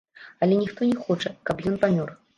Але ніхто не хоча, каб ён памёр.